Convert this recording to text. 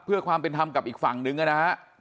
เพื่อความเป็นธรรมกับอีกฝั่งนึงนะฮะ